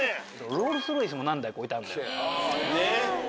ロールス・ロイスも何台か置いてあるのよ。